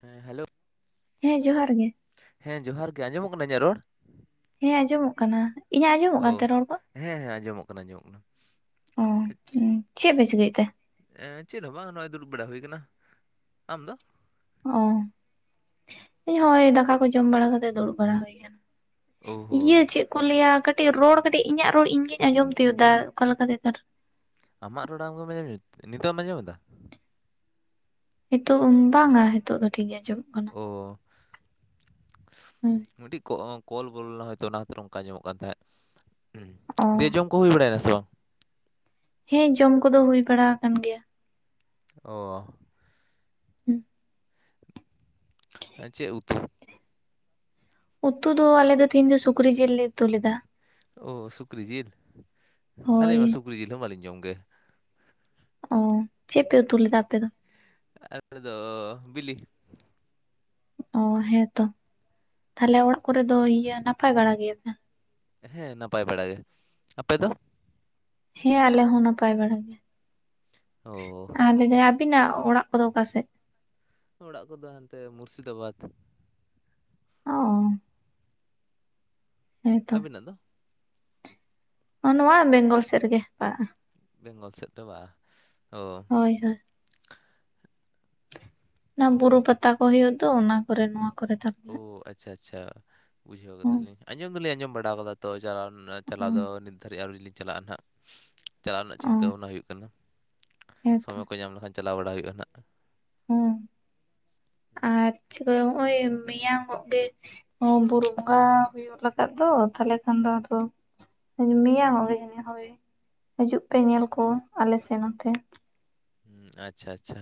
ᱦᱮᱸ ᱦᱮᱞᱳ ᱦᱮᱸ ᱡᱚᱦᱟᱨ ᱜᱮ ᱦᱮᱸ ᱡᱚᱦᱟᱨ ᱜᱮ ᱟᱸᱡᱚᱢᱚᱜ ᱠᱟᱱᱟ ᱤᱧᱟᱹᱜ ᱨᱚᱲ? ᱦᱮᱸ ᱟᱸᱡᱚᱢᱚᱜ ᱠᱟᱱᱟ ᱤᱧᱟᱹᱜ ᱟᱸᱡᱚᱢᱚᱜ ᱳ ᱠᱟᱱᱛᱮ ᱨᱚᱲ ᱠᱚ ᱦᱮᱸ ᱦᱮᱸ ᱟᱸᱡᱚᱢᱚᱜ ᱠᱟᱱᱟ ᱟᱸᱡᱚᱢᱚᱜ ᱠᱟᱱᱟ ᱚ ᱦᱚᱸ ᱪᱮᱫ ᱯᱮ ᱪᱤᱠᱟᱹᱭᱫ ᱛᱮ? ᱮ ᱪᱮᱫ ᱦᱚᱸ ᱵᱟᱝ ᱱᱚᱜ-ᱚᱭ ᱫᱩᱲᱩᱵ ᱵᱟᱲᱟ ᱦᱩᱭ ᱟᱠᱟᱱᱟ ᱟᱢ ᱫᱚ ᱚ ᱦᱮᱸ ᱦᱳᱭ ᱫᱟᱠᱟ ᱠᱚ ᱡᱚᱢ ᱵᱟᱲᱟ ᱠᱟᱛᱮ ᱫᱩᱲᱩᱵ ᱵᱟᱲᱟ ᱦᱩᱭ ᱟᱠᱟᱱᱟ ᱳ ᱦᱳ ᱤᱭᱟᱹ ᱪᱮᱫ ᱠᱚ ᱞᱟᱹᱭᱟ ᱠᱟᱹᱴᱤᱡ ᱨᱚᱲ ᱠᱟᱹᱴᱤᱡ ᱤᱧᱟᱹᱜ ᱨᱚᱲ ᱤᱧ ᱜᱤᱧ ᱟᱸᱡᱚᱢ ᱛᱤᱭᱳᱟ ᱚᱠᱟᱞᱮᱠᱟ ᱵᱮᱯᱟᱨ? ᱟᱢᱟᱜ ᱨᱚᱲ ᱟᱢᱜᱮᱢ ᱟᱸᱡᱚᱢ ᱢᱮᱫᱟ ᱱᱤᱛᱚᱜ ᱮᱢ ᱟᱸᱡᱚᱢᱮ ᱫᱟ? ᱱᱤᱛᱚᱜ ᱵᱟᱝ ᱟ ᱱᱤᱛᱚᱜ ᱫᱚ ᱴᱷᱤᱠ ᱜᱮ ᱟᱸᱡᱚᱢᱚᱜ ᱠᱟᱱᱟ ᱚ [inaudible] ᱦᱳᱭ ᱢᱤᱫᱴᱤᱡ ᱠᱚᱞ ᱵᱚᱞᱚ ᱞᱮᱱᱟ ᱦᱚᱭᱛᱳ ᱚᱱᱟ ᱠᱷᱟᱹᱛᱤᱨ ᱚᱝᱠᱟ ᱟᱧᱡᱚᱢᱚᱜ ᱠᱟᱱ ᱛᱮᱦᱮᱸᱫ ᱦᱩᱸ ᱚ ᱫᱮ ᱡᱚᱢ ᱠᱚ ᱦᱩᱭ ᱵᱟᱲᱟᱭᱱᱟ ᱥᱮ ᱵᱟᱝ? ᱦᱮᱸ ᱡᱚᱢ ᱠᱚᱫᱚ ᱦᱩᱭ ᱵᱟᱲᱟ ᱟᱠᱟᱱ ᱜᱮᱭᱟ ᱚ [inaudible] ᱟ ᱪᱮᱫ ᱩᱛᱩ? ᱩᱛᱩ ᱫᱚ ᱟᱞᱮ ᱫᱚ ᱛᱤᱦᱤᱧ ᱫᱚ ᱥᱩᱠᱨᱤ ᱡᱤᱞ ᱞᱮ ᱩᱛᱩ ᱞᱮᱫᱟ ᱳ ᱥᱩᱠᱨᱤ ᱡᱤᱞ ᱟᱞᱤᱧ ᱦᱳᱭ ᱢᱟ ᱥᱩᱠᱨᱤ ᱡᱤᱞ ᱦᱚᱸ ᱵᱟᱞᱤᱧ ᱡᱚᱢ ᱜᱮ ᱚ ᱪᱮᱫ ᱯᱮ ᱩᱛᱩ ᱞᱮᱫᱟ ᱟᱯᱮ ᱫᱚ? ᱟᱛ ᱫᱚ ᱵᱤᱞᱤ ᱚ ᱦᱮᱸᱛᱚ ᱛᱟᱦᱞᱮ ᱚᱲᱟᱜ ᱠᱚᱨᱮ ᱫᱚ ᱤᱭᱟᱹ ᱱᱟᱯᱟᱭ ᱵᱟᱲᱟ ᱜᱮᱭᱟ ᱯᱮ? ᱦᱮᱸ ᱱᱟᱯᱟᱭ ᱵᱟᱲᱟ ᱜᱮ ᱟᱯᱮ ᱫᱚ? ᱦᱮᱸ ᱟᱞᱮ ᱦᱚᱸ ᱱᱟᱯᱟᱭ ᱵᱟᱲᱟᱭ ᱜᱮ ᱚ ᱟᱞᱮ ᱟᱹᱯᱤᱱᱟᱜ ᱚᱲᱟᱜ ᱠᱚᱫᱚ ᱚᱠᱟᱥᱮᱫ ᱾ ᱚᱲᱟᱜ ᱠᱚᱫᱚ ᱦᱟᱱᱛᱮ ᱢᱩᱨᱥᱤᱫᱟᱵᱟᱫᱽ ᱚ ᱦᱮᱸᱛᱚ ᱟᱵᱤᱱᱟᱜ ᱫᱚ? ᱱᱚᱣᱟ ᱵᱮᱝᱜᱚᱞ ᱥᱮᱫ ᱨᱮᱜᱮ ᱯᱟᱲᱟᱜᱼᱟ᱾ ᱵᱮᱝᱜᱚᱞ ᱥᱮᱫ ᱫᱚ ᱵᱟ ᱚ ᱦᱚᱭ ᱦᱚᱭ ᱚᱱᱟ ᱵᱩᱨᱩ ᱯᱟᱛᱟ ᱠᱚ ᱦ ᱦᱩᱭᱩᱜ ᱛᱚ ᱚᱱᱟ ᱠᱚᱨᱮ ᱱᱚᱣᱟ ᱠᱚᱨᱮ ᱛᱟ ᱚ ᱟᱪᱷᱟ ᱟᱪᱷᱟ ᱵᱩᱡᱷᱟᱹᱣ ᱚ ᱠᱮᱫᱟᱞᱤᱧ ᱟᱸᱡᱚᱢ ᱫᱚᱞᱤᱧ ᱟᱸᱡᱚᱢ ᱵᱟᱲᱟ ᱟᱠᱟᱫᱟ ᱛᱚ ᱪᱟᱞᱟᱣ ᱪᱟᱞᱟᱣ ᱫᱚ ᱱᱤᱛ ᱫᱷᱟᱵᱤᱡ ᱟᱹᱣᱨᱤ ᱞᱤᱧᱸ ᱪᱟᱞᱟᱜᱼᱟ, ᱱᱟᱦᱟᱜ ᱪᱟᱞᱟᱜ ᱨᱮᱱᱟᱜ ᱪᱤᱱᱛᱟᱹ ᱵᱷᱟᱵᱽᱱᱟ ᱦᱩᱭᱩᱜ ᱠᱟᱱᱟ᱾ ᱦᱮᱸᱛᱚ ᱥᱚᱢᱚᱭ ᱠᱚ ᱧᱟᱢ ᱞᱮᱠᱷᱟᱱ ᱪᱟᱞᱟᱣ ᱵᱟᱲᱟ ᱦᱩᱭᱩᱜᱼᱟ ᱦᱟᱸᱜ᱾ ᱦ ᱟᱨ ᱪᱮᱫᱠᱟ ᱱᱚᱜᱼᱚᱭ ᱢᱮᱭᱟᱝᱜ ᱜᱮ ᱛᱚ ᱵᱩᱨᱩ ᱵᱚᱸᱜᱟ ᱦᱩᱭᱩᱜ ᱞᱟᱹᱜᱟᱫ ᱫᱚ ᱛᱟᱦᱚᱞᱮ ᱠᱷᱟᱱ ᱫᱚ ᱟᱫᱚ, ᱢᱮᱭᱟᱝᱚᱜ ᱜᱮᱟᱹᱱᱤᱡ ᱦᱳᱭ ᱦᱤᱡᱩᱜ ᱯᱮ ᱧᱮᱞ ᱠᱚ ᱟᱞᱮ ᱥᱮᱫ ᱱᱚᱛᱮ ᱦᱩᱸ ᱟᱪᱷᱟ ᱟᱪᱷᱟ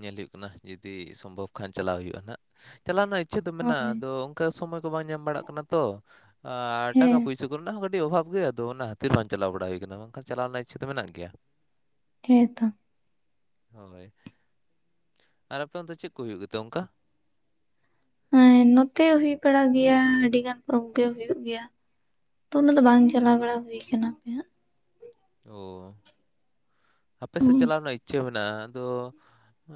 ᱧᱮᱞ ᱦᱩᱭᱩᱜ ᱠᱟᱱᱟ ᱡᱩᱫᱤ ᱥᱚᱢᱵᱷᱚᱵ ᱠᱷᱟᱱ ᱪᱟᱞᱞᱟᱣ ᱦᱩᱭᱩᱜᱼᱟ ᱱᱟᱦᱟᱜ, ᱪᱟᱞᱟᱣᱱᱟ ᱪᱮᱫ ᱮᱢ ᱢᱮᱱᱟᱜᱼᱟ, ᱦᱳᱭ ᱟᱫᱚ ᱚᱱᱠᱟ ᱥᱚᱢᱚᱭ ᱠᱚ ᱵᱟᱝ ᱧᱟᱢ ᱵᱟᱲᱟᱜ ᱠᱟᱱᱟ ᱛᱚ, ᱟᱨ ᱦᱮᱸ ᱴᱟᱠᱟ ᱯᱚᱭᱥᱟ ᱠᱚ ᱚᱱᱟ ᱦᱚᱸ ᱠᱟᱹᱴᱤᱡ ᱚᱵᱷᱟᱵ ᱜᱮᱭᱟ ᱟᱫᱚ ᱠᱷᱛᱤᱨ ᱵᱟᱝ ᱪᱟᱞᱟᱣ ᱵᱟᱲᱟ ᱦᱩᱭ ᱟᱠᱟᱱᱟ ᱵᱟᱝᱠᱷᱟᱱ ᱪᱟᱞᱟᱣ ᱨᱮᱱᱟᱜ ᱤᱪᱷᱟ ᱫᱚ ᱢᱮᱱᱟᱜ ᱜᱮᱭᱟ ᱾ ᱦᱮᱸ ᱛᱚ ᱦᱳᱭ ᱟᱨ ᱟᱯᱮ ᱛᱮ ᱪᱮᱫ ᱠᱚ ᱦᱩᱭᱩᱜ ᱜᱮᱛᱮ ᱚᱱᱠᱟ ᱦᱮᱸ ᱱᱚᱛᱮ ᱦᱩᱭ ᱵᱟᱲᱟᱜ ᱜᱮᱭᱟ ᱟᱹᱰᱤ ᱜᱟᱱ ᱯᱚᱨᱚᱵᱽ ᱜᱮ ᱦᱩᱭᱩᱜ ᱜᱮᱭᱟ ᱾ ᱛᱚ ᱩᱱᱟᱹᱜ ᱫᱚ ᱵᱟᱝ ᱪᱟᱞᱟᱣ ᱵᱟᱲᱟ ᱦᱩᱭᱠᱟᱱᱟ ᱦᱟᱯᱮ ᱦᱟᱸᱜ ᱚ ᱟᱯᱮ ᱥᱮᱫ ᱦᱟᱸᱜ ᱪᱟᱞᱟᱜ ᱨᱮᱱᱟᱜ ᱤᱪᱷᱟᱹ ᱢᱮᱱᱟᱜᱼᱟ ᱟᱫᱚᱻ ᱦ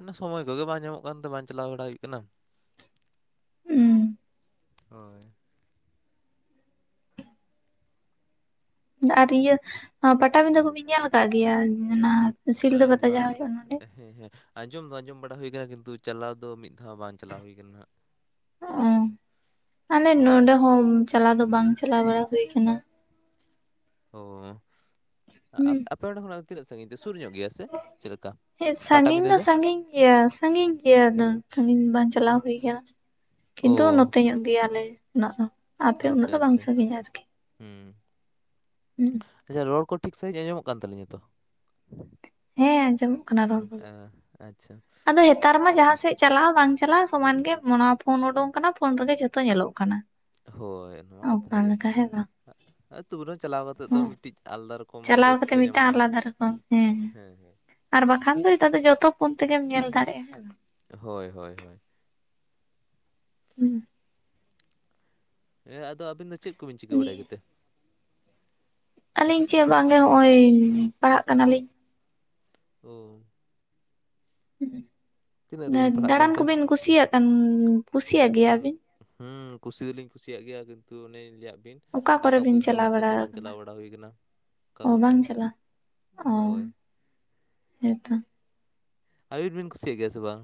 ᱚᱱᱟ ᱥᱚᱢᱚᱭ ᱠᱚᱜᱮ ᱵᱟᱝ ᱧᱟᱢᱚᱜ ᱠᱟᱱᱛᱮ ᱵᱟᱝ ᱪᱟᱞᱟᱣ ᱵᱟᱲᱟ ᱦᱩᱭᱩᱜ ᱠᱟᱱᱟ ᱾ ᱦᱩᱸ ᱦᱳᱭ ᱟᱨ ᱤᱭᱟᱹ ᱯᱟᱴᱟ-ᱵᱤᱫᱟᱹ ᱠᱚᱵᱤᱱ ᱧᱮᱞ ᱟᱠᱟᱫ ᱜᱮᱭᱟ, ᱚᱱᱟ ᱥᱤᱞᱫᱟᱹ ᱯᱟᱛᱟ ᱡᱟᱦᱟᱸ ᱵᱟᱝ ᱦᱩᱭᱩᱜᱼᱟ ᱱᱚᱰᱮ ᱦᱮᱸ ᱦᱮᱸ ᱟᱸᱡᱚᱢ ᱫᱚ ᱟᱸᱡᱚᱢ ᱵᱟᱲᱟ ᱦᱩᱭᱠ ᱠᱤᱱᱛᱩ ᱪᱟᱞᱟᱣ ᱫᱚ ᱢᱤᱫ ᱫᱷᱟᱣ ᱵᱟᱝ ᱪᱟᱞᱟᱣ ᱦᱩᱭ ᱟᱠᱟᱱᱟ ᱦᱟᱸᱜ, ᱚ ᱟᱞᱮ ᱦᱳᱭ ᱱᱚᱰᱮ ᱦᱚᱸ ᱪᱟᱞᱟᱣ ᱫᱚ ᱵᱟᱝ ᱪᱟᱞᱟᱣ ᱵᱟᱲᱟ ᱦᱩᱭᱩ ᱟᱠᱟᱱᱟ ᱾ ᱦᱚᱭ ᱦᱩᱸ ᱟᱯᱮ ᱟᱯᱮ ᱚᱸᱰᱮ ᱠᱷᱚᱱᱟᱜ ᱛᱤᱱᱟᱹᱜ ᱥᱟᱺᱜᱤᱧ ᱛᱮ ᱥᱩᱨ ᱧᱚᱜ ᱜᱮᱭᱟ ᱥᱮ ᱪᱮᱫ ᱞᱮᱠᱟ ᱦᱮᱸ ᱯᱟᱴᱟ ᱥᱟᱺᱜᱤᱧ ᱵᱤᱫᱟᱹ ᱫᱚ ᱥᱟᱺᱜᱤᱧ ᱜᱮᱭᱟ ᱾ ᱥᱟᱺᱜᱤᱧ ᱜᱮᱭᱟ ᱟᱫᱚ ᱥᱟᱺᱜᱤᱧ ᱵᱟᱝ ᱪᱟᱞᱟᱣ ᱦᱩᱭ ᱟᱠᱟᱱᱟ ᱠᱤᱱᱛᱩ ᱚ ᱱᱚᱛᱮ ᱧᱚᱜ ᱜᱮᱭᱟᱞᱮ᱾ [unintelligible] ᱩᱱᱟᱹᱜ ᱟᱪᱷᱟ ᱫᱚ ᱵᱟᱝ ᱟᱪᱷᱟ, ᱥᱟᱺᱜᱤᱧᱟ ᱟᱨᱠᱤ ᱦᱩᱸ ᱦᱩᱸ ᱟᱪᱷᱟ ᱨᱚᱲ ᱠᱚ ᱴᱷᱤᱠ ᱥᱟᱺᱦᱤᱡᱽ ᱟᱸᱡᱚᱢᱚᱜ ᱠᱟᱱ ᱛᱟᱹᱞᱤᱧᱟ ᱛᱚ ᱦᱮᱸ ᱟᱸᱡᱚᱢᱚᱜ ᱠᱟᱱᱟ ᱨᱚᱲ ᱫᱚ ᱦᱮᱸ ᱟᱪᱷᱟ ᱟᱫᱚ ᱱᱮᱛᱟᱨ ᱢᱟ ᱡᱟᱦᱟᱸᱥᱮᱫ ᱪᱟᱞᱟᱜᱼᱟ ᱵᱟᱝ ᱪᱟᱞᱟᱜᱼᱟ ᱥᱚᱢᱟᱱ ᱜᱮ ᱚᱱᱟ ᱯᱷᱳᱱ ᱩᱰᱩᱝ ᱟᱠᱟᱱᱟ ᱯᱷᱳᱱ ᱨᱮᱜᱮ ᱡᱷᱚᱛᱚ ᱧᱮᱞᱚᱜ ᱠᱟᱱᱟ ᱾ ᱦᱳᱭ ᱱᱚᱣᱟ ᱠᱟᱛᱷᱟ ᱜᱮ, ᱵᱟᱝ ᱟᱹᱛᱩ ᱨᱮ ᱪᱟᱞᱟᱣ ᱠᱟᱛᱮᱮᱫ ᱫᱚ ᱦᱮᱸ ᱢᱤᱫᱴᱤᱡ ᱟᱞᱟᱫᱟ ᱨᱚᱠᱚᱢ ᱪᱟᱞᱟᱣ ᱨᱟᱹᱥᱠᱟᱹ ᱠᱟᱛᱮᱜ ᱢᱤᱫᱴᱟᱝ ᱧᱟᱢᱚᱜᱼᱟ ᱟᱞᱟᱫᱟ ᱨᱚᱠᱚᱢ ᱦᱮᱸ ᱟᱨ ᱵᱟᱠᱷᱟᱱ ᱫᱚ ᱱᱮᱛᱟᱨ ᱫᱚ ᱡᱚᱛᱚ ᱯᱷᱳᱱ ᱛᱮᱜᱮᱢ ᱧᱮᱞ ᱫᱟᱲᱮᱭᱟᱜᱼᱟ᱾ ᱦᱳᱭ ᱦᱳᱭ ᱦᱳᱭ, ᱦᱩᱸᱻ ᱦᱮᱸ ᱟᱫᱚ ᱟᱹᱵᱤᱱ ᱫᱚ ᱪᱮᱫ ᱠᱚᱵᱤᱱ ᱪᱤᱠᱟᱹ ᱵᱟᱲᱟᱭᱟ ᱫᱤᱭᱮ ᱜᱮᱛᱮ ᱟᱹᱞᱤᱧ ᱪᱮᱫ ᱵᱟᱝᱜ ᱜᱮ ᱦᱚᱜᱼᱚᱭ ᱯᱟᱲᱦᱟᱜ ᱠᱟᱱᱟᱞᱤᱧ᱾ ᱚᱸᱻ ᱛᱤᱱᱟᱹᱜ ᱨᱮᱵᱤᱱ ᱯᱟᱲᱦᱟᱜ ᱫᱟᱬᱟᱱ ᱠᱟᱱᱛᱮ? ᱠᱚᱵᱤᱱ ᱠᱩᱥᱤᱭᱟᱜ ᱠᱟᱱ ᱠᱩᱥᱤᱭᱟᱜ ᱮᱠᱫᱚᱢ ᱜᱮᱭᱟᱵᱤᱱ ᱦᱩᱸ ᱠᱩᱥᱤ ᱫᱚᱞᱤᱧ ᱠᱩᱥᱤᱭᱟᱜ ᱜᱮᱭᱟ ᱠᱤᱱᱛᱩ ᱚᱱᱮ ᱤᱧ ᱞᱟᱹᱭᱟᱫ ᱵᱤᱱ ᱚᱠᱟ ᱠᱚᱨᱮ ᱴᱟᱠᱟ ᱵᱤᱱ ᱯᱚᱭᱥᱟᱹ ᱪᱟᱞᱟᱣ ᱚᱵᱷᱟᱵᱽ ᱵᱟᱲᱟ ᱛᱮ ᱵᱟᱝ ᱟᱠᱟᱱᱟ ᱪᱟᱞᱟᱣ ᱵᱟᱲᱟ ᱦᱩᱭ ᱠᱟᱱᱟ ᱠᱟ ᱚ ᱠᱚᱛᱮ ᱵᱟᱝ ᱦᱚᱸ᱾ ᱪᱟᱞᱟᱣ ᱦᱳᱭ᱾ ᱦᱮᱸ ᱛᱚ᱾ ᱟᱭᱩᱴ ᱵᱮᱱ ᱠᱩᱥᱤᱭᱟᱜ ᱜᱮᱭᱟ ᱥᱮ ᱵᱟᱝ?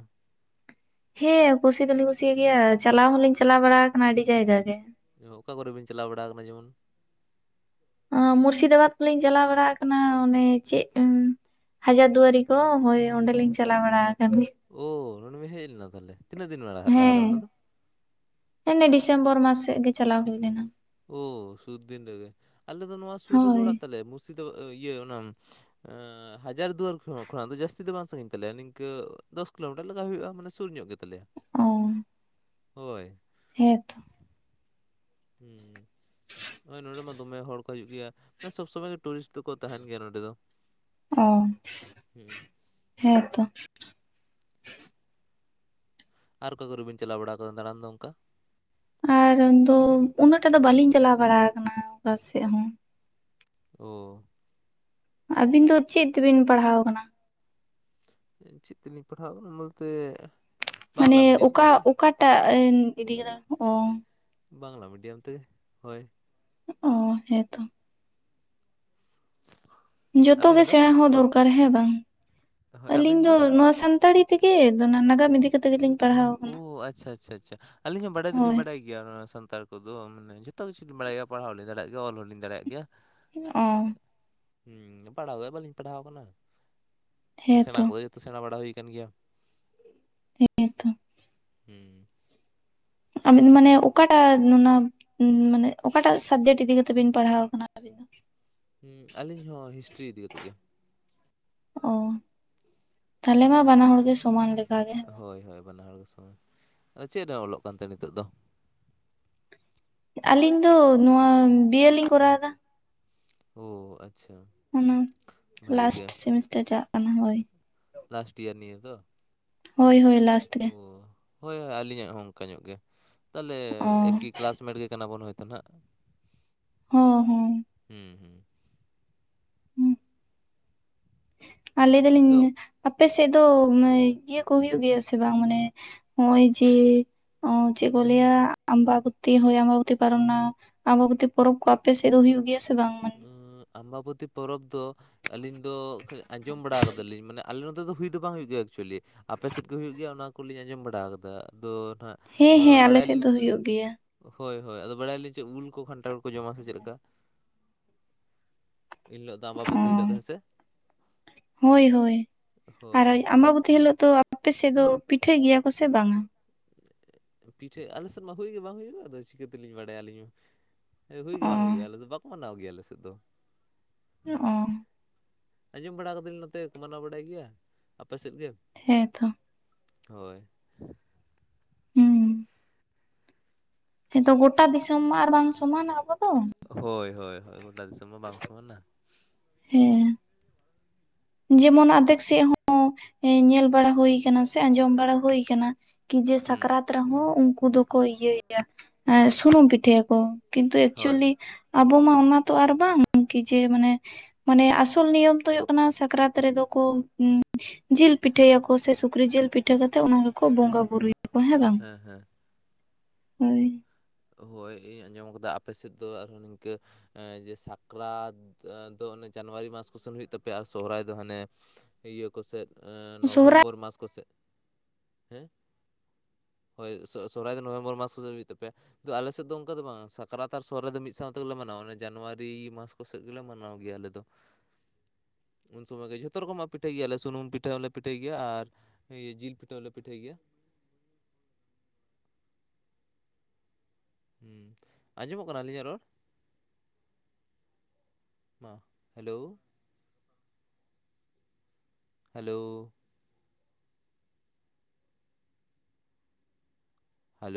ᱦᱮᱸ ᱠᱩᱥᱤ ᱫᱚ ᱞᱤᱧ ᱠᱩᱥᱤ ᱭᱟᱜ ᱜᱮᱭᱟ ᱪᱟᱞᱟᱣ ᱦᱚᱸ ᱞᱤᱧ ᱪᱟᱞᱟᱣ ᱵᱟᱲᱟ ᱟᱠᱟᱱᱟ ᱟᱹᱰᱤ ᱡᱟᱭᱜᱟ ᱜᱮ᱾ ᱚᱠᱟ ᱠᱚᱨᱮ ᱵᱤᱱ ᱪᱟᱞᱟᱣ ᱵᱟᱲᱟᱣ ᱠᱟᱱᱟ ᱡᱮᱢᱚᱱᱼᱼ ᱟᱸ ᱢᱩᱨᱥᱤᱫᱟᱵᱟᱫᱽ ᱠᱚ ᱞᱤᱧ ᱪᱟᱞᱟᱣ ᱵᱟᱲᱟ ᱟᱠᱟᱱᱟ ᱚᱱᱮ ᱪᱮᱜ ᱼᱼᱼᱼ ᱦᱟᱡᱟᱫᱽ ᱫᱩᱣᱟᱹᱨᱤ ᱠᱚ ᱦᱳᱭ ᱚᱸᱰᱮ ᱞᱤᱧ ᱪᱟᱞᱟᱣ ᱵᱟᱲᱟ ᱟᱠᱟᱱ ᱜᱮᱭᱟ᱾ ᱳᱻ ᱱᱚᱸᱰᱮᱢ ᱦᱮᱡ ᱞᱮᱱᱟ ᱛᱟᱦᱚᱞᱮ ᱛᱤᱱᱟᱹᱜ ᱫᱤᱱ ᱢᱮ ᱢᱟᱲᱟ ᱞᱟᱦᱟ ᱨᱮ ᱚᱱᱟ ᱫᱚ? ᱦᱮ ᱱᱮ ᱰᱤᱥᱮᱢᱵᱚᱨ ᱢᱟᱥ ᱥᱮᱜ ᱜᱮ ᱪᱟᱞᱟᱣ ᱦᱩᱭ ᱞᱮᱱᱟ᱾ ᱳ ᱥᱩᱨ ᱫᱤᱱ ᱨᱮᱜᱮ ᱟᱞᱮ ᱫᱚ ᱱᱚᱣᱟ ᱥᱩᱨ ᱨᱮᱜᱮ ᱦᱳᱭ ᱚᱲᱟᱜ ᱛᱟᱞᱮ ᱢᱩᱨᱥᱤᱫᱟᱵᱟ ᱤᱭᱟᱹ ᱚᱱᱟᱼᱼ ᱮᱸ ᱦᱟᱡᱟᱨᱤ ᱫᱩᱣᱟᱹᱨ ᱠᱷᱚᱱ ᱠᱷᱚᱜ ᱡᱟᱹᱥᱛᱤ ᱫᱚ ᱵᱟᱝ ᱥᱟᱺᱜᱤᱧ ᱛᱟᱞᱮᱭᱟ ᱱᱤᱝᱠᱟᱹ ᱫᱚᱥ ᱠᱤᱞᱳᱢᱤᱴᱟᱨ ᱞᱮᱠᱟ ᱦᱩᱭᱩᱜ-ᱟ ᱢᱟᱱᱮ ᱥᱚᱼᱼ ᱥᱩᱨ ᱧᱚᱜ ᱜᱮ ᱛᱟᱞᱮᱭᱟ᱾ ᱦᱚᱭ᱾ ᱦᱮᱸ ᱛᱚ᱾ ᱦᱩᱸ, ᱱᱚᱜ-ᱚᱭ ᱱᱚᱸᱰᱮ ᱢᱟ ᱫᱚᱢᱮ ᱦᱚᱲ ᱠᱚ ᱦᱤᱡᱩᱜ ᱜᱮᱭᱟ ᱢᱟᱱᱮ ᱥᱚᱵᱽ ᱥᱚᱢᱚᱭ ᱜᱮ ᱴᱩᱨᱤᱥᱴᱼᱼ ᱚᱸ ᱦᱩᱸ ᱦᱮᱸ ᱛᱚ᱾ ᱟᱨ ᱚᱠᱟ ᱠᱚᱨᱮ ᱵᱤᱱ ᱪᱟᱞᱟᱣ ᱵᱟᱲᱟᱣ ᱠᱟᱫᱟ ᱫᱟᱬᱟᱱ ᱫᱚ ᱚᱱᱠᱟ? ᱟᱨ ᱫᱚ ᱩᱱᱟᱹᱜ ᱴᱟᱜ ᱫᱚ ᱵᱟᱞᱤᱧ ᱪᱟᱞᱟᱣ ᱵᱟᱲᱟ ᱟᱠᱟᱱᱟ ᱚᱠᱟ ᱥᱮᱜ ᱦᱚᱸ᱾ ᱳ᱾ ᱟᱵᱤᱱ ᱫᱚ ᱪᱮᱜ ᱛᱮᱵᱤᱱ ᱯᱟᱲᱦᱟᱣ ᱠᱟᱱᱟ? ᱪᱮᱫ ᱛᱮᱞᱤᱧ ᱯᱟᱲᱦᱟᱣ ᱚᱱᱟ ᱩᱞᱛᱮᱼᱼ ᱢᱟᱱᱮ ᱚᱠᱟ ᱚᱠᱟ ᱴᱟᱜ ᱮᱱ ᱤᱫᱤ ᱠᱟᱫᱟ ᱠᱚ ᱚᱸ᱾ ᱵᱟᱝᱞᱟ ᱢᱤᱰᱤᱭᱟᱢ ᱛᱮ ᱦᱚᱭ᱾ ᱚᱸ ᱦᱮᱸ ᱛᱚ᱾ ᱡᱚᱛᱚ ᱜᱮ ᱟᱹᱵᱤᱱ ᱫᱚ ᱥᱮᱬᱟ ᱦᱚᱸ ᱫᱚᱨᱠᱟᱨ ᱦᱮᱸ ᱵᱟᱝ ᱦᱳᱭ ᱟᱹᱞᱤᱧ ᱟᱹᱵᱤᱱ ᱫᱚ ᱱᱚᱶᱟ ᱥᱟᱱᱛᱟᱲᱤᱼᱼ ᱛᱮᱜᱮ ᱫᱚ ᱱᱟ ᱱᱟᱜᱟᱢ ᱤᱫᱤ ᱠᱟᱛᱮ ᱜᱮᱞᱤᱧ ᱯᱟᱲᱦᱟᱣ ᱳ ᱟᱠᱟᱱᱟ ᱟᱪᱪᱷᱟ ᱟᱪᱪᱷᱟ ᱟᱪᱪᱷᱟ ᱟᱹᱞᱤᱧ ᱦᱚᱸ ᱵᱟᱰᱟᱭ ᱫᱚ ᱞᱤᱧ ᱦᱳᱭ ᱵᱟᱰᱟᱭ ᱾ ᱜᱮᱭᱟ ᱚᱱᱟ ᱥᱟᱱᱛᱟᱲ ᱠᱚᱫᱚ ᱩᱸ ᱢᱟᱱᱮ ᱡᱚᱛᱚ ᱠᱤᱪᱷᱩ ᱞᱤᱧ ᱵᱟᱲᱟᱭ ᱜᱮᱭᱟ ᱯᱟᱲᱦᱟᱣ ᱞᱮ ᱫᱟᱲᱮᱭᱟᱜ ᱜᱮᱭᱟ ᱚᱞ ᱦᱚᱸ ᱞᱤᱧ ᱫᱟᱲᱮᱭᱟᱜ ᱜᱮᱭᱟ᱾ ᱚ ᱟᱜ ᱦᱩᱸ ᱯᱟᱲᱦᱟᱣ ᱫᱚ ᱵᱟᱹᱞᱤᱧ ᱯᱟᱲᱦᱟᱣ ᱠᱟᱱᱟ᱾ ᱥᱮᱬᱟ ᱦᱮᱸᱛᱚ ᱠᱚᱫᱚ ᱡᱚᱛᱚ ᱥᱮᱬᱟ ᱵᱟᱲᱟ ᱦᱩᱭ ᱠᱟᱱ ᱜᱮᱭᱟ᱾ ᱦᱮᱸ ᱛᱷᱚ᱾ ᱦᱩᱸ ᱟᱵᱤᱱ ᱢᱟᱱᱮ ᱚᱠᱟ ᱴᱟᱜ ᱚᱱᱟ ᱱᱟ ᱢᱟᱱᱮ ᱚᱠᱟ ᱴᱟᱜ ᱥᱟᱵᱽᱡᱮᱴ ᱤᱫᱤ ᱠᱟᱛᱮᱜ ᱵᱤᱱ ᱯᱟᱲᱦᱟᱣ ᱠᱟᱱᱟ ᱵᱤᱱ ᱫᱚ? ᱦᱩᱸ ᱟᱞᱤᱧ ᱦᱚᱸ ᱦᱤᱥᱴᱨᱤ ᱤᱫᱤ ᱠᱟᱛᱮᱜ ᱜᱮ᱾ ᱚ, ᱛᱟᱦᱚᱞᱮ ᱢᱟ ᱵᱟᱱᱟ ᱦᱚᱲ ᱜᱮ ᱥᱚᱢᱟᱱ ᱞᱮᱠᱟ ᱜᱮ᱾ ᱦᱚᱭ ᱦᱚᱭ ᱵᱟᱱᱟ ᱦᱚᱲ ᱜᱮ ᱥᱚᱢᱟᱱ ᱟᱫᱚ ᱪᱮᱜ ᱨᱮ ᱚᱞᱚᱜ ᱠᱟᱱᱛᱮ ᱱᱤᱛᱚᱜ ᱫᱚ? ᱟᱞᱤᱧ ᱫᱚ ᱱᱚᱣᱟ ᱵᱤᱭᱮ ᱞᱤᱧ ᱠᱚᱨᱟᱣ ᱫᱟ᱾ ᱳ ᱟᱪᱪᱷᱟ᱾ ᱚᱱᱟ ᱵᱷᱟᱜᱤ ᱞᱟᱥᱴ ᱜᱮ ᱥᱮᱢᱤᱥᱴᱟᱨ ᱪᱟᱞᱟᱜ ᱠᱟᱱᱟ ᱦᱚᱭ᱾ ᱞᱟᱥᱴ ᱤᱭᱟᱨ ᱱᱤᱭᱟᱹ ᱫᱚᱜ᱾ ᱦᱳᱭ ᱦᱳᱭ ᱞᱟᱥ᱾ ᱳ ᱦᱳᱭ ᱦᱳᱭ ᱟᱞᱤᱧᱟᱜ ᱦᱚᱸ ᱚᱱᱠᱟ ᱧᱚᱜ ᱜᱮ ᱛᱟᱦᱚᱞᱮ ᱚ ᱮᱠᱤᱼᱼ ᱠᱮᱞᱟᱥ ᱢᱮᱴ ᱜᱮ ᱠᱟᱱᱟ ᱵᱚᱱ ᱦᱳᱭᱛᱚ ᱱᱟᱦᱟᱸᱜ, ᱦᱚᱸ ᱦᱚᱸ ᱦᱩᱸ ᱦᱩᱸ ᱾ ᱟᱨ ᱞᱟᱹᱭ ᱫᱟᱞᱤᱧ ᱟᱫᱚ ᱟᱯᱮ ᱥᱮᱜ ᱫᱚ ᱢᱮ ᱤᱭᱟᱹ ᱠᱚ ᱦᱩᱭᱩᱜ ᱜᱮᱭᱟ ᱥᱮ ᱵᱟᱝ ᱢᱟᱱᱮᱼᱼ ᱚᱸᱭ ᱡᱮ ᱚᱸ ᱪᱮᱜ ᱠᱚ ᱞᱟᱹᱭᱟ ᱟᱢᱵᱟᱵᱚᱛᱛᱤ ᱦᱚᱭ ᱟᱢᱵᱟᱵᱚᱛᱤ ᱠᱚ ᱟᱨ ᱚᱱᱟᱼᱼ ᱟᱢᱵᱟᱵᱚᱛᱤ‌ ᱯᱚᱨᱚᱵᱽ ᱠᱚ ᱟᱯᱮ ᱥᱮᱜ ᱫᱚ ᱦᱩᱭᱩᱜ ᱜᱮᱭᱟ ᱥᱮ ᱵᱟᱝ? ᱩᱸᱜ ᱟᱢᱵᱟᱵᱚᱛᱤ ᱯᱚᱨᱚᱵᱽ ᱫᱚ ᱟᱹᱞᱤᱧ ᱫᱚ ᱠᱷᱟᱹᱞᱤ ᱟᱸᱡᱚᱢ ᱵᱟᱲᱟᱣ ᱠᱟᱫᱟ ᱞᱤᱧ ᱢᱟᱱᱮᱼᱼ ᱟᱞᱮ ᱱᱚᱛᱮ ᱫᱚ ᱦᱩᱭ ᱫᱚ ᱵᱟᱝ ᱦᱩᱭᱩᱜ ᱜᱮᱭᱟ ᱮᱠᱪᱩᱞᱤ ᱟᱯᱮ ᱥᱮᱫ ᱜᱮ ᱦᱩᱭᱩᱜ ᱜᱮᱭᱟ ᱚᱱᱟ ᱠᱩ ᱞᱤᱧ ᱟᱸᱡᱚᱢ ᱵᱟᱲᱟᱣ ᱠᱟᱫᱟ ᱟᱫᱚ ᱱᱟᱦᱟᱸᱜᱼᱼ ᱦᱮᱸ ᱚᱸ ᱦᱮᱸ ᱟᱞᱮ ᱵᱟᱲᱟᱭ ᱞᱤ ᱥᱮᱫ ᱫᱚ ᱦᱩᱭᱩᱜ ᱜᱮᱭᱟ᱾ ᱦᱚᱭ ᱦᱚᱭ ᱟᱫᱚ ᱵᱟᱲᱟᱭ ᱞᱟᱹᱭ ᱪᱮᱜ ᱩᱞ ᱠᱚ ᱠᱟᱷᱱᱴᱟᱲ ᱠᱚ ᱡᱚᱢᱟ ᱥᱮ ᱪᱮᱜ ᱞᱮᱠᱟ᱾ ᱮᱱᱦᱤᱞᱚᱜ ᱫᱟᱜ ᱵᱟᱵᱮᱱ ᱛᱟᱸᱜᱤ ᱚ ᱞᱮᱫᱟ ᱦᱮᱸ ᱥᱮ ᱦᱳᱭ ᱦᱳᱭ ᱟᱨ ᱟᱢᱵᱟᱵᱚᱛᱤ ᱦᱤᱞᱚᱜ ᱫᱚ ᱟᱯᱮ ᱥᱮᱫ ᱫᱚ ᱯᱤᱴᱷᱟᱹᱭ ᱜᱮᱭᱟ ᱠᱚ ᱥᱮ ᱵᱟᱝᱟ ᱯᱤᱴᱷᱟᱹ ᱟᱞᱮ ᱥᱮᱫ ᱢᱟ ᱦᱩᱭᱩᱜ ᱜᱮ ᱵᱟᱝ ᱦᱩᱭᱩᱜᱼᱟ ᱟᱫᱚ ᱪᱤᱠᱟᱹ ᱛᱮᱞᱮᱧ ᱵᱟᱲᱟᱭᱟ ᱟᱹᱞᱤᱧ ᱢᱟ ᱦᱮᱸ ᱦᱩᱭ ᱚ ᱜᱮ ᱵᱟᱝ ᱦᱩᱭᱩᱜᱼᱟ ᱟᱞᱮ ᱫᱚ ᱵᱟᱠᱚ ᱢᱟᱱᱟᱣ ᱜᱮᱭᱟ ᱟᱞᱮ ᱥᱮᱫ ᱫᱚ [unintelligible] ᱟᱸᱡᱚᱢ ᱵᱟᱲᱟ ᱠᱟᱫᱟᱹᱧ ᱱᱚᱛᱮ ᱠᱚ ᱢᱟᱱᱟᱣ ᱵᱟᱲᱟᱭ ᱜᱮᱭᱟ ᱟᱯᱮ ᱥᱮᱫ ᱜᱮ ᱦᱮᱸ ᱛᱚ ᱦᱳᱭ ᱦᱩᱸ ᱦᱮᱸᱛᱚ ᱜᱳᱴᱟ ᱫᱤᱥᱚᱢ ᱟᱨ ᱵᱟᱝ ᱥᱚᱢᱟᱱᱟ ᱟᱵᱚ ᱫᱚ᱾ ᱦᱳᱭ ᱦᱳᱭ ᱦᱳᱭ ᱜᱳᱴᱟ ᱫᱤᱥᱚᱢ ᱢᱟ ᱵᱟᱝ ᱥᱚᱢᱟᱱᱟ᱾ ᱦᱮᱸ ᱡᱮᱢᱚᱱ ᱟᱫᱷᱮᱠ ᱥᱮᱫ ᱦᱚᱸ ᱧᱮᱞ ᱵᱟᱲᱟ ᱦᱩᱭ ᱟᱠᱟᱱᱟ ᱥᱮ ᱟᱸᱡᱚᱢ ᱵᱟᱲᱟ ᱦᱩᱭ ᱟᱠᱟᱱᱟ᱾ ᱠᱤ ᱡᱮ ᱦᱩᱸ ᱥᱟᱠᱨᱟᱛ ᱨᱮᱦᱚᱸ ᱩᱱᱠᱩ ᱫᱚᱠᱚ ᱤᱭᱟᱹᱭ ᱜᱮᱭᱟ ᱥᱩᱱᱩᱢ ᱯᱤᱴᱷᱟᱹᱭᱟᱠᱚ ᱠᱤᱱᱛᱩ ᱦᱳᱭ ᱮᱠᱪᱩᱣᱟᱞᱤ ᱟᱵᱚ ᱢᱟ ᱚᱱᱟ ᱛᱚ ᱟᱨ ᱵᱟᱝ ᱠᱤ ᱡᱮ ᱢᱟᱱᱮ ᱢᱟᱱᱮ ᱟᱥᱚᱞ ᱱᱤᱭᱚᱢ ᱫᱚ ᱦᱩᱭᱩᱜ ᱠᱟᱱᱟ᱾ ᱥᱟᱠᱨᱟᱛ ᱨᱮᱫᱚ ᱠᱚ ᱡᱤᱞ ᱯᱤᱴᱷᱟᱹᱭᱟᱠᱚ ᱥᱮ ᱥᱩᱠᱨᱤ ᱡᱤᱞ ᱯᱤᱴᱷᱟᱹ ᱠᱟᱛᱮᱜ ᱚᱱᱟ ᱜᱮᱠᱚ ᱵᱚᱸᱜᱟ ᱵᱩᱨᱩᱭᱟ ᱦᱮᱸ ᱵᱟᱝ ᱦᱳᱭ ᱦᱳᱭ ᱤᱧ ᱟᱸᱡᱚᱢ ᱠᱟᱫᱟ ᱟᱯᱮ ᱥᱮᱫ ᱫᱚ ᱟᱨᱦᱚᱸ ᱱᱤᱝᱠᱟᱹ ᱡᱮ ᱥᱟᱠᱨᱟᱛ ᱫᱚ ᱚᱱᱮ ᱡᱟᱱᱩᱣᱟᱨᱤ ᱢᱟᱥ ᱠᱚᱥᱟᱞ ᱦᱩᱭᱩᱜ ᱛᱟᱯᱮᱭᱟ ᱟᱨ ᱥᱚᱦᱨᱟᱭ ᱫᱚ ᱦᱟᱱᱮ ᱤᱭᱟᱹ ᱠᱚᱥᱮᱫ ᱥᱚᱦᱨᱟᱭ ᱱᱚᱵᱷᱮᱢᱵᱚᱨ ᱢᱟᱥ ᱠᱚᱥᱮᱫ ᱦᱮᱸ ᱦᱳᱭ ᱥᱚᱼ ᱥᱚᱦᱨᱟᱭ ᱫᱚ ᱱᱚᱵᱷᱮᱢᱵᱚᱨ ᱢᱟᱥ ᱠᱚᱛᱮ ᱦᱩᱭᱩᱜ ᱛᱟᱯᱮᱭᱟ᱾ ᱟᱫᱚ ᱟᱞᱮ ᱥᱮᱫ ᱫᱚ ᱚᱱᱠᱟ ᱫᱚ ᱵᱟᱝ ᱥᱟᱠᱨᱟᱛ ᱟᱨ ᱥᱚᱦᱨᱟᱭ ᱫᱚ ᱢᱤᱫ ᱥᱟᱶ ᱛᱮᱜᱮᱞᱮ ᱢᱟᱱᱟᱣᱟ ᱾ ᱡᱟᱱᱩᱣᱟᱨᱤ ᱢᱟᱥ ᱠᱚ ᱥᱮᱫ ᱜᱮᱞᱮ ᱢᱟᱱᱟᱣ ᱜᱮᱭᱟ ᱟᱞᱮ ᱫᱚ᱾ [inaudible] ᱩᱱ ᱥᱚᱢᱚᱭ ᱜᱮ ᱡᱚᱛᱚ ᱨᱚᱠᱚᱢᱟᱜ ᱯᱤᱴᱷᱟᱹᱭ ᱜᱮᱭᱟᱞᱮ ᱥᱩᱱᱩᱢ ᱯᱤᱴᱷᱟᱹ ᱦᱚᱸᱞᱮ ᱯᱤᱴᱷᱟᱹᱭ ᱜᱮᱭᱟ᱾ ᱟᱨ ᱤᱭᱟᱹ ᱡᱤᱞ ᱯᱤᱴᱷᱟᱹ ᱦᱚᱸᱞᱮ ᱯᱤᱴᱷᱟᱹᱭ ᱜᱮᱭᱟ᱾ ᱦᱩᱸ ᱟᱸᱡᱚᱢᱚᱜ ᱠᱟᱱᱟ ᱟᱹᱞᱤᱧᱟᱜ ᱨᱚᱲ? ᱢᱟ ᱦᱮᱞᱳ ᱦᱮᱞᱳ ᱦᱮᱞᱳ